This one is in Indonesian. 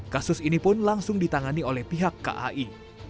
kasus ini pun langsung ditangani oleh pihak kai